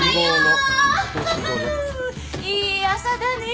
いい朝だね。